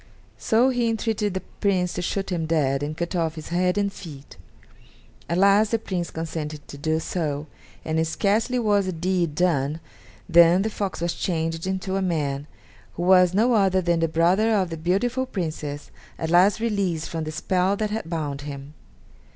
So he entreated the Prince to shoot him dead and cut off his head and feet. At last the Prince consented to do so, and scarcely was the deed done than the fox was changed into a man, who was no other than the brother of the beautiful Princess, at last released from the spell that had bound him.